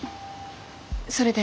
それで？